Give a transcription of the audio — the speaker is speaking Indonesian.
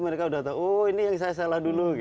mereka udah tahu oh ini yang saya salah dulu